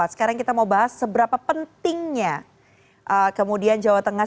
sekarang kita mau bahas seberapa pentingnya kemudian jawa tengah